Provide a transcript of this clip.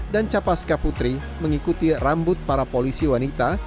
dan capas kaputri mengikuti rambut para polisi wanita